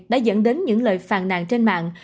đã dẫn đến những lời phàn nàn trên mạng